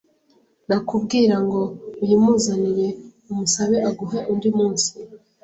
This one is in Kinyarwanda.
Nakubwira ngo uyimuzanire umusabe aguhe undi munsi